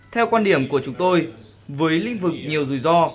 theo quan điểm của chúng tôi với lĩnh vực nhiều rủi ro